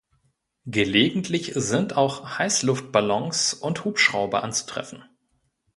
Gelegentlich sind auch Heißluftballons und Hubschrauber anzutreffen.